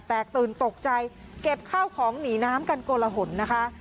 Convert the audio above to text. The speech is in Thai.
ตื่นตกใจเก็บข้าวของหนีน้ำกันโกลหนนะคะ